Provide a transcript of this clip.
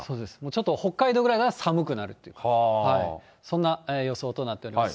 ちょっと北海道ぐらいが寒くなるっていうか、そんな予想となっております。